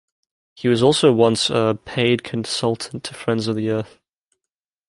He was also once a "paid consultant to Friends of the Earth".